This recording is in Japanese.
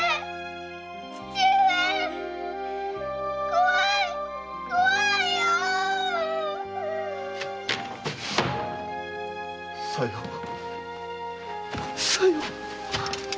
怖い怖いよぉ‼さよさよ！